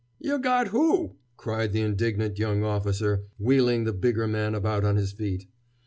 "Yuh got who?" cried the indignant young officer, wheeling the bigger man about on his feet.